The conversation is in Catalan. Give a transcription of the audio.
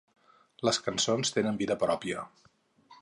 Les cançons tenen vida pròpia.